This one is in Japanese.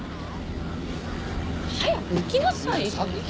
早く行きなさいよ！